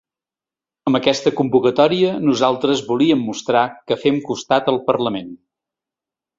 Amb aquesta convocatòria, nosaltres volíem mostrar que fem costat al parlament.